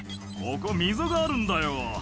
「ここ溝があるんだよ」